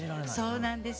そうなんです。